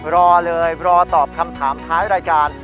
รอเลยรอตอบคำถามท้ายรายการ